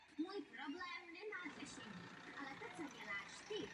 Západním a jižním směrem v pobřežní nížině je osídlení ryze židovské.